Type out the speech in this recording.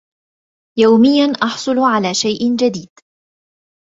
يوميا احصلُ على شيء جديد